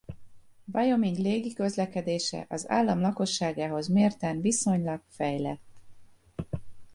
Wyoming légiközlekedése az állam lakosságához mérten viszonylag fejlett.